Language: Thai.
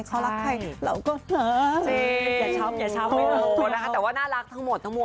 เขารักใครเราก็หืออย่าชอบอย่าชอบไม่ได้โหนะคะแต่ว่าน่ารักทั้งหมดทั้งหมด